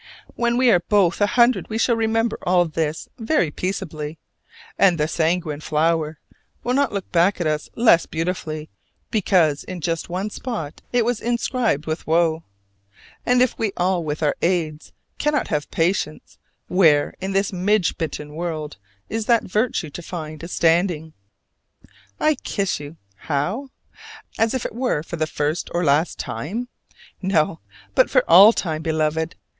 When we are both a hundred we shall remember all this very peaceably; and the "sanguine flower" will not look back at us less beautifully because in just one spot it was inscribed with woe. And if we with all our aids cannot have patience, where in this midge bitten world is that virtue to find a standing? I kiss you how? as if it were for the first or the last time? No, but for all time, Beloved!